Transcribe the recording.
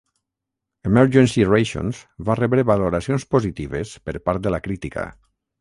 "Emergency Rations" va rebre valoracions positives per part de la crítica.